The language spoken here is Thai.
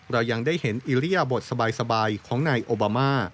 เรายังได้เห็นอิริยบทสบายของนายโอบามา